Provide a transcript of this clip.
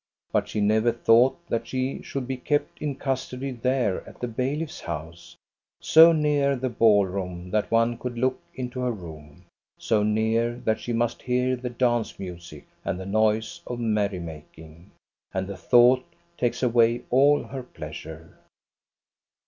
But she never thought that she should be kept in custody there at the bailiff's house, so near the ballroom that one could look into her room, so near that she must hear the dance music and the noise of merry making. And the thought takes away all her pleasure.